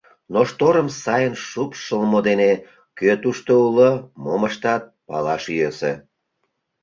Но шторым сайын шупшылмо дене кӧ тушто уло, мом ыштат — палаш йӧсӧ.